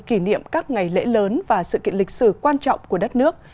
kỷ niệm các ngày lễ lớn và sự kiện lịch sử quan trọng của đất nước